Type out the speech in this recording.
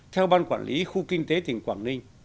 theo ban quản lý khu kinh tế tỉnh quảng ninh